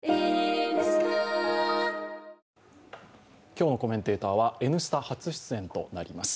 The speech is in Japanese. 今日のコメンテーターは「Ｎスタ」初出演となります。